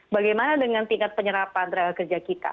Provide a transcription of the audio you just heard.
bagaimana dengan tingkat penyerapan tenaga kerja kita